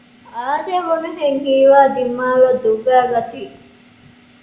އާދެވުނުހެން ހީވާ ދިމާލަށް ދުއްވައިގަތީ